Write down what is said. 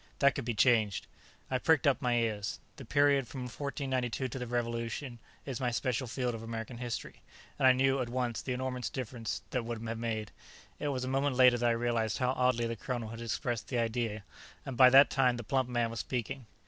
That could be changed." I pricked up my ears. The period from 1492 to the Revolution is my special field of American history, and I knew, at once, the enormous difference that would have made. It was a moment later that I realized how oddly the colonel had expressed the idea, and by that time the plump man was speaking.